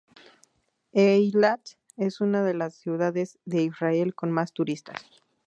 Eilat es una de las ciudades de Israel con más turistas.